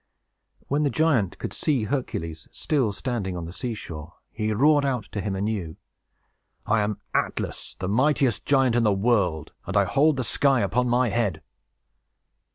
When the giant could see Hercules still standing on the sea shore, he roared out to him anew. "I am Atlas, the mightiest giant in the world! And I hold the sky upon my head!"